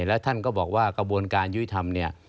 แล้วท่านก็บอกว่ากระบวนการยุติธรรมเนี่ย